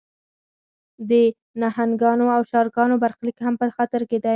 د نهنګانو او شارکانو برخلیک هم په خطر کې دی.